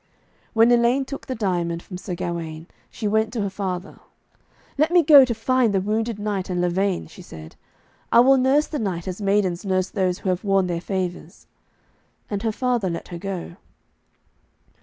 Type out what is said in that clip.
When Elaine took the diamond from Sir Gawaine she went to her father. 'Let me go to find the wounded knight and Lavaine,' she said. 'I will nurse the knight as maidens nurse those who have worn their favours.' And her father let her go.